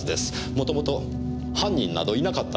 元々犯人などいなかったのですから。